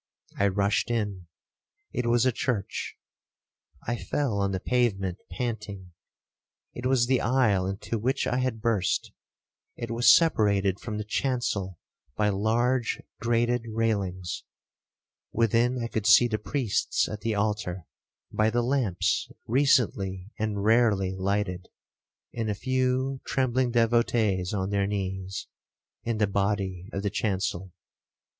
I rushed in—it was a church. I fell on the pavement panting. It was the aisle into which I had burst—it was separated from the chancel by large grated railings. Within I could see the priests at the altar, by the lamps recently and rarely lighted, and a few trembling devotees on their knees, in the body of the chancel.